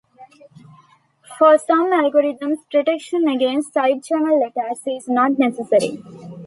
For some algorithms protection against side-channel attacks is not necessary.